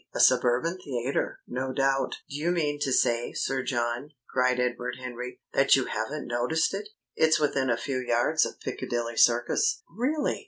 A suburban theatre, no doubt?" "Do you mean to say, Sir John," cried Edward Henry, "that you haven't noticed it. It's within a few yards of Piccadilly Circus." "Really!"